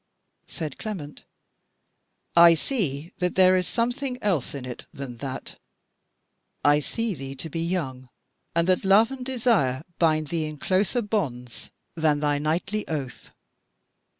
Said Clement: "I see that there is something else in it than that; I see thee to be young, and that love and desire bind thee in closer bonds than thy knightly oath.